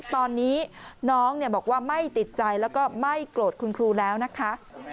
ตอนนี้น้องบอกว่าไม่ติดใจแล้วก็ไม่โกรธคุณครูแล้วนะคะ